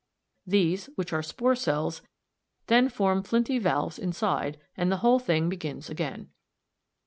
These, which are spore cells, then form flinty valves inside, and the whole thing begins again.